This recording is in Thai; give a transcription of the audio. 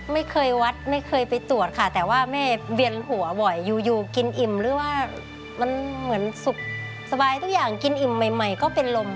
ไม่เคยวัดไม่เคยไปตรวจค่ะแต่ว่าแม่เวียนหัวบ่อยอยู่กินอิ่มหรือว่ามันเหมือนสุขสบายทุกอย่างกินอิ่มใหม่ก็เป็นลม